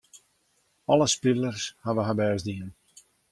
Alle spilers hawwe har bêst dien.